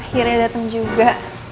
akhirnya dateng juga